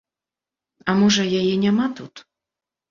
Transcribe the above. А можа, яе няма тут?